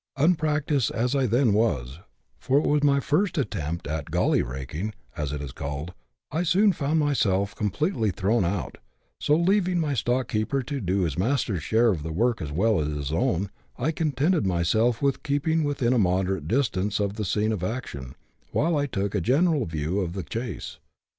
Unpractised as I then was — for it was my first attempt at " gully raking," as it is called — I soon found myself completely thrown out ; so, leaving my stock keeper to do his master's share of the work as well as his own, I contented myself with keeping within a moderate distance of the scene of action, while I took a general view of the chase.